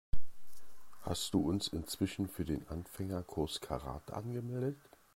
Hast du uns inzwischen für den Anfängerkurs Karate angemeldet?